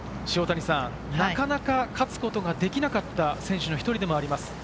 なかなか勝つことができなかった選手の一人でもあります。